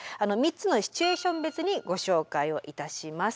３つのシチュエーション別にご紹介をいたします。